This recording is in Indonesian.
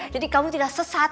jadi kamu tidak sesat